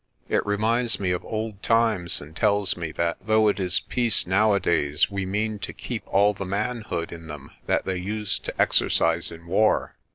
It reminds me of old times and tells me that though it is peace nowadays we mean to keep all the manhood in them that they used to exercise in war.